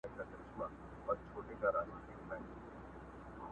نه دي پوښتنه ده له چا کړې.!